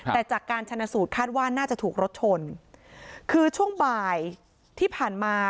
แต่จากการชนะสูตรคาดว่าน่าจะถูกรถชนคือช่วงบ่ายที่ผ่านมา